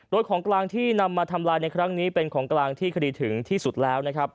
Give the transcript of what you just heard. โดยของกลางที่นำมาทำลายในครั้งนี้เป็นของกลางที่คดีถึงที่สุดแล้วนะครับ